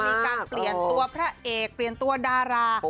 มีการเปลี่ยนตัวพระเอกเปลี่ยนตัวดารา